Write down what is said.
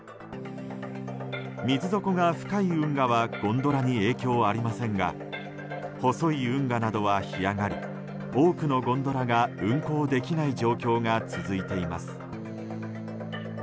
水底が深い運河はゴンドラに影響はありませんが細い運河などは干上がり多くのゴンドラが運航できない状況が続いています。